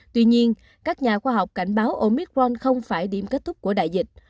tuy nhiên các nhà khoa học cảnh báo omicron không phải điểm kết thúc của đại dịch